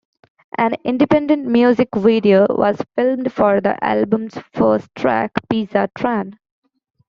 An independent music video was filmed for the album's first track, Pizza Tran.